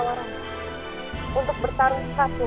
untuk bertarung satu sama satu